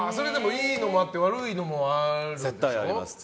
良いのもあって悪いのもあるでしょ。